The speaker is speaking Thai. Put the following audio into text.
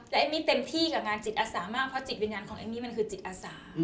และเอมมี่เต็มที่กับงานจิตอาสามากเพราะจิตวิญญาณของเอมมี่มันคือจิตอาสา